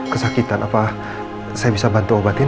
kesakitan apa saya bisa bantu obatnya